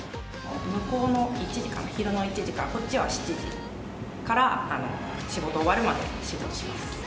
向こうの１時かな、昼の１時か、こっちは７時から仕事終わるまで、仕事します。